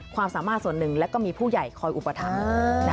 ความสามารถส่วนนึงและมีผู้ใหญ่คอยอุปฐาน